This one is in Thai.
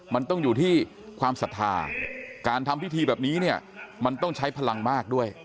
มันต้องอยู่ที่ความศรัทธาการทำพิธีแบบนี้เนี่ยมันต้องใช้พลังมากด้วย